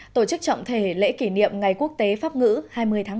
tổ chức trọng thể lễ kỷ niệm ngày quốc tế pháp ngữ hai mươi tháng ba